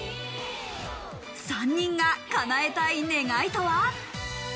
３人が叶えたい願いとは？